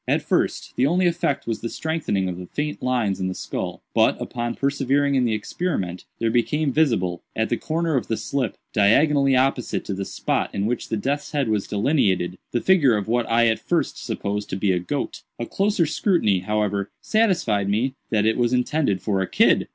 At first, the only effect was the strengthening of the faint lines in the skull; but, upon persevering in the experiment, there became visible, at the corner of the slip, diagonally opposite to the spot in which the death's head was delineated, the figure of what I at first supposed to be a goat. A closer scrutiny, however, satisfied me that it was intended for a kid."